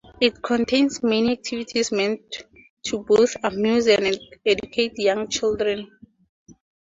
It contains many activities meant to both amuse and educate young children.